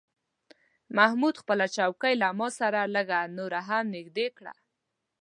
محمود خپله چوکۍ له ما سره لږه نوره هم نږدې کړه.